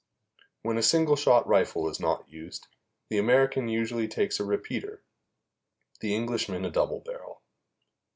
When a single shot rifle is not used, the American usually takes a repeater, the Englishman a double barrel.